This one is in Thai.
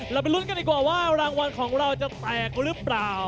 ไปลุ้นกันดีกว่าว่ารางวัลของเราจะแตกหรือเปล่า